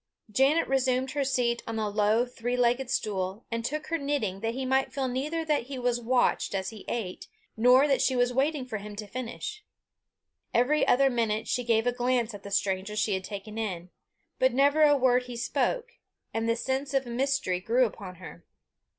Janet resumed her seat on the low three legged stool, and took her knitting that he might feel neither that he was watched as he ate, nor that she was waiting for him to finish. Every other moment she gave a glance at the stranger she had taken in; but never a word he spoke, and the sense of mystery grew upon her.